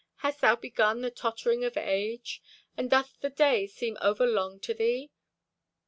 Hast thou begun the tottering of age, And doth the day seem over long to thee?